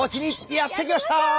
やって来ました！